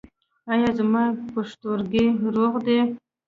ایا زما پښتورګي روغ دي؟